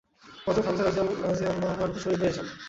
হযরত হামযা রাযিয়াল্লাহু আনহু শহীদ হয়ে যান।